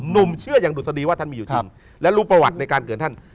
หนุ่มเชื่ออย่างดุษฎีว่าท่านมีอยู่จริงและรู้ประวัติในการเกินท่าน